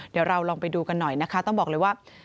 เดี๋ยวเราลองไปดูกันหน่อยนะคะต้องบอกเลยว่า